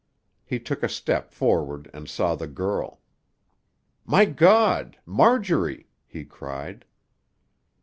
He took a step forward and saw the girl. "My God! Marjorie!" he cried.